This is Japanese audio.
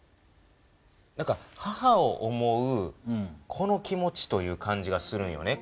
何か母を思う子の気持ちという感じがするんよね